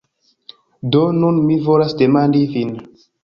Do, nun mi volas demandi vin